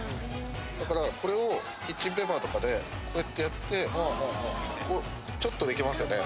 だからこれをキッチンペーパーとかでこうやってやってこうちょっとできますよね？